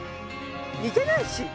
似てないし。